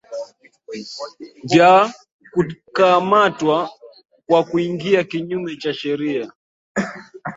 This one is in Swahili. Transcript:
vya kukamatwa kwa kuingia kinyume cha sheria